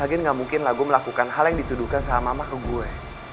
lagi gak mungkin lah gue melakukan hal yang dituduhkan sama mama ke gue